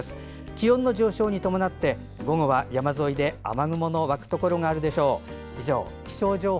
気温の上昇に伴い午後は山沿いで雨雲の湧くところがあるでしょう。